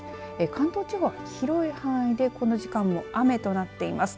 関東地方は広い範囲でこの時間も雨となっています。